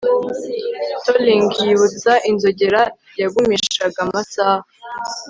Tolling yibutsa inzogera yagumishaga amasaha